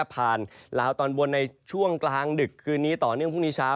ลาวตอนบนในช่วงกลางดึกคืนนี้ต่อเนื่องพรุ่งนี้เช้า